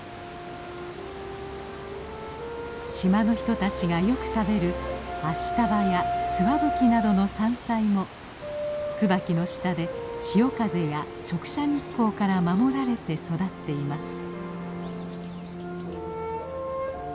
島の人たちがよく食べるアシタバやツワブキなどの山菜もツバキの下で潮風や直射日光から守られて育っています。